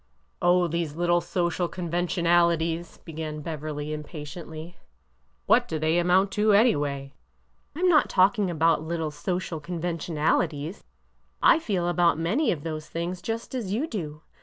Oh, these little social conventionalities !" began Beverly, impatiently. What do they amount to, any way ?"" Lm not talking about little social conventionalities. I feel about many of those things just as you do.